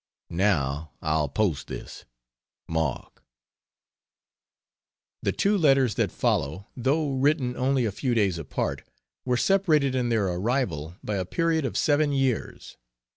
Now I'll post this. MARK The two letters that follow, though written only a few days apart, were separated in their arrival by a period of seven years.